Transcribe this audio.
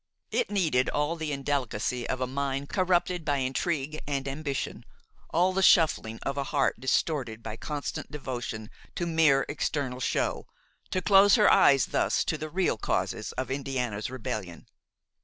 It needed all the indelicacy of a mind corrupted by intrigue and ambition, all the shuffling of a heart distorted by constant devotion to mere external show, to close her eyes thus to the real causes of Indiana's rebellion.